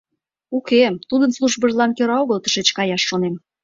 — Уке, тудын службыжлан кӧра огыл тышеч каяш шонем.